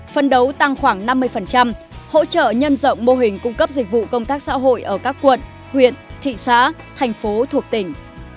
phân đấu tăng khoảng năm mươi hỗ trợ nhân rộng mô hình cung cấp dịch vụ công tác xã hội ở các quận huyện thị xã thành phố thuộc tỉnh